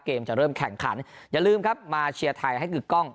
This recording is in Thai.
เกมจะเริ่มแข่งขันอย่าลืมครับมาเชียร์ไทยให้กึกกล้อง